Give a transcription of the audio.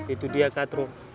itu dia kak trok